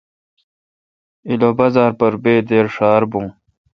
للو بازار پر بے دیر ݭار بھون۔